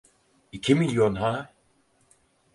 İki milyon ha!